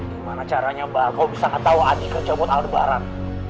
gimana caranya mbak kau bisa ketawa adik kerja buat aldebaran